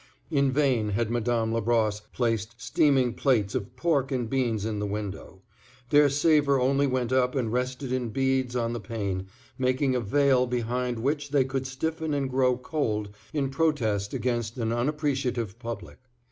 In vain had Madame Labrosse placed steaming plates of pork and beans in the window. Their savor only went up and rested in beads on the pane, making a veil behind which they could stiffen and grow cold in protest against an unappreciative public.